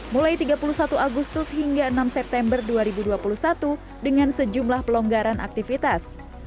mulai tiga puluh satu agustus hingga enam september dua ribu dua puluh satu dengan sejumlah pelonggaran aktivitas